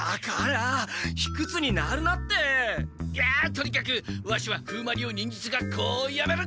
とにかくワシは風魔流忍術学校をやめる！